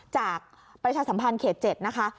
ประชาสัมพันธ์เขต๗นะคะ